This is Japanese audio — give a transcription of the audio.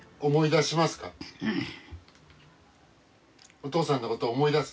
おとうさんのこと思い出す？